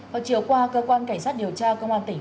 vào chiều qua cơ quan cảnh sát điều tra công an tỉnh